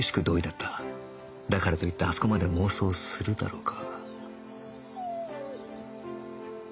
だからといってあそこまで妄想するだろうか